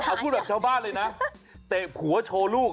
เอาพูดแบบชาวบ้านเลยนะเตะผัวโชว์ลูก